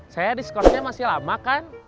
saya diskorsnya masih lama kan